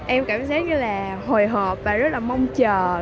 em cảm giác như là hồi hộp và rất là mong chờ